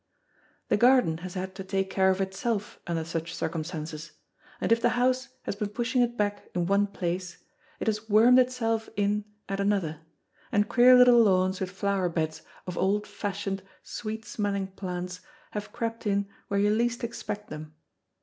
The garden has had to take care of itself under such circumstances, and if the house has been pushing it back in one place, it has wormed itself in at another, and queer little lawns with flower beds of old fashioned, sweet smelling plants have crept in where you least expect them.